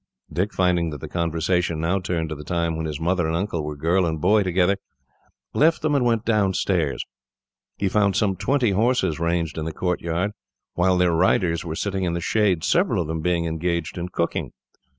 Dick, finding that the conversation now turned to the time when his mother and uncle were girl and boy together, left them and went downstairs. He found some twenty horses ranged in the courtyard, while their riders were sitting in the shade, several of them being engaged in cooking.